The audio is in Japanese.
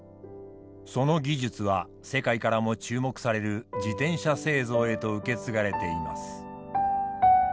その技術は世界からも注目される自転車製造へと受け継がれています。